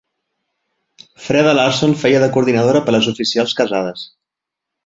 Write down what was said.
Freda Larsson feia de coordinadora per a les oficials casades.